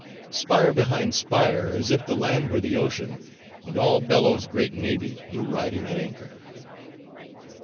spire behind spire, as if the land were the ocean, and all Bello's great navy were riding at anchor.